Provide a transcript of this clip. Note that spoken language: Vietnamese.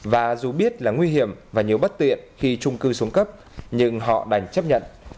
và dù biết là nguy hiểm và nhiều bất tiện khi trung cư xuống cấp nhưng họ đành chấp nhận